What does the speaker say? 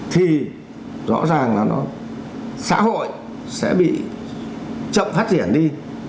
thì rõ ràng là nó xã hội sẽ bị chậm phát triển đi